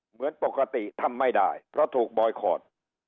เหมือนปกติทำไม่ได้เพราะถูกบอยคอร์ด